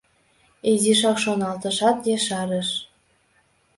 Изишак шоналтышат, ешарыш: